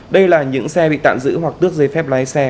đây là những xe bị tạm giữ hoặc tước giấy phép lái xe